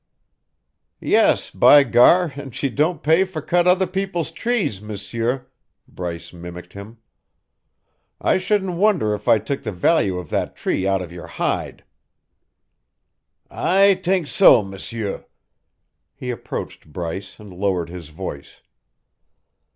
"Yes, by gar, an' she don' pay for cut other people's trees, M'sieur," Bryce mimicked him. "I shouldn't wonder if I took the value of that tree out of your hide." "I t'enk so, M'sieur." He approached Bryce and lowered his voice.